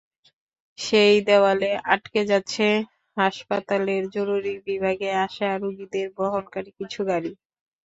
সেই দেয়ালে আটকে যাচ্ছে হাসপাতালের জরুরি বিভাগে আসা রোগীদের বহনকারী কিছু গাড়ি।